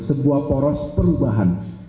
sebuah poros perubahan